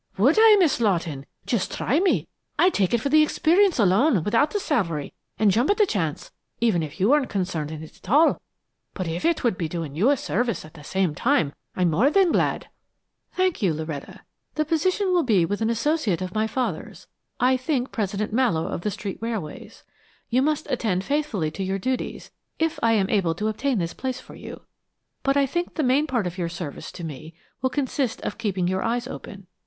"Would I, Miss Lawton? Just try me! I'd take it for the experience alone, without the salary, and jump at the chance, even if you weren't concerned in it at all, but if it would be doing you a service at the same time, I'm more than glad." "Thank you, Loretta. The position will be with an associate of my father's, I think, President Mallowe of the Street Railways. You must attend faithfully to your duties, if I am able to obtain this place for you, but I think the main part of your service to me will consist of keeping your eyes open.